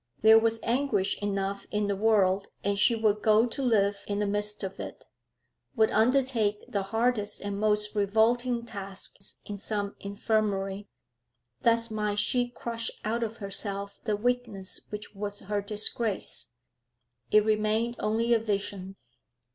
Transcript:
There was anguish enough in the world, and she would go to live in the midst of it, would undertake the hardest and most revolting tasks in some infirmary: thus might she crush out of herself the weakness which was her disgrace. It remained only a vision.